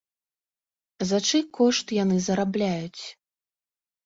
За чый кошт яны зарабляюць?